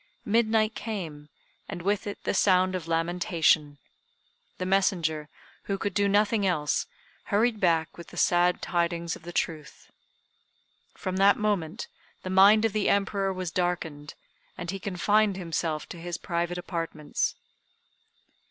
Midnight came, and with it the sound of lamentation. The messenger, who could do nothing else, hurried back with the sad tidings of the truth. From that moment the mind of the Emperor was darkened, and he confined himself to his private apartments.